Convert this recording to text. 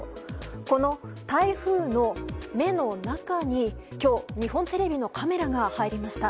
この台風の目の中に今日、日本テレビのカメラが入りました。